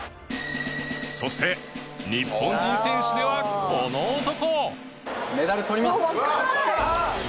そして日本人選手ではこの男